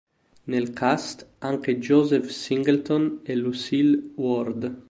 Nel cast anche Joseph Singleton e Lucille Ward.